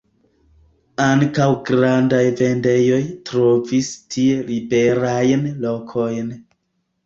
Ankaŭ grandaj vendejoj trovis tie liberajn lokojn.